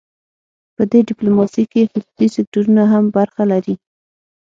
په دې ډیپلوماسي کې خصوصي سکتورونه هم برخه لري